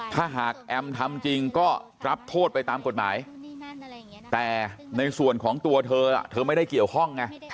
ถ้าหากแอมทำจริงก็รับโทษไปตามกฎหมายแต่ในส่วนของตัวเธอเธอไม่ได้เกี่ยวข้องไง